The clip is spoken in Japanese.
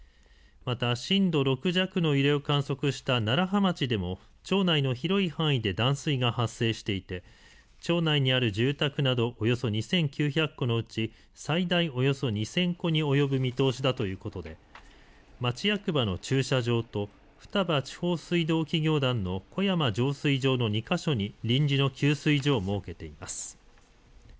また震度６弱の揺れを観測した楢葉町でも町内の広い範囲で断水が発生していて町内にある住宅などおよそ２９００戸のうち最大およそ２０００戸に及ぶ見通しだということで町役場の駐車場と双葉地方水道企業団の小山浄水場の２か所に臨時の給水所を設けています。